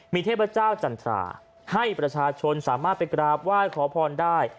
มีเทพเจ้าจันทราให้ประชาชนสามารถไปกราบไหว้ขอพรได้